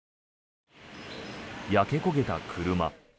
焼け焦げた車。